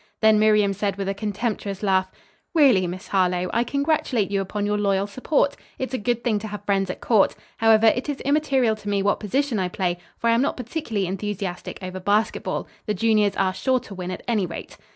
Then Miriam said with a contemptuous laugh, "Really, Miss Harlowe, I congratulate you upon your loyal support. It is a good thing to have friends at court. However, it is immaterial to me what position I play, for I am not particularly enthusiastic over basketball. The juniors are sure to win at any rate."